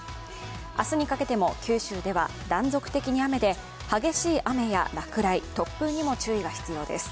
明日にかけても九州では断続的に雨で、激しい雨や落雷、突風にも注意が必要です。